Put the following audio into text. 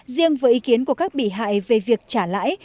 riêng với ý kiến của các bị hại về việc trả lãi